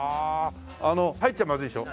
あの入っちゃまずいでしょ？